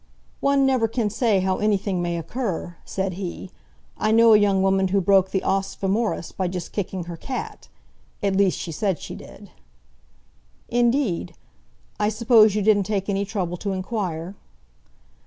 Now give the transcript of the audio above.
"One never can say how anything may occur," said he. "I know a young woman who broke the os femoris by just kicking her cat; at least, she said she did." "Indeed! I suppose you didn't take any trouble to inquire?"